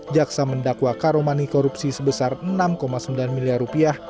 jaksa mendakwa karomani korupsi sebesar enam sembilan miliar rupiah